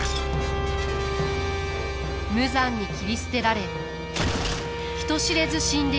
無残に斬り捨てられ人知れず死んでいく忍びたち。